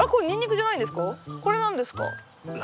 これ何ですか？